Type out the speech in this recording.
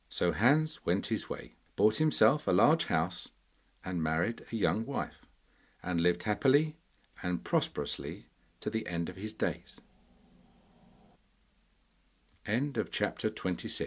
So Hans went his way, bought himself a large house, and married a young wife, and lived happily and prosperously to the end of his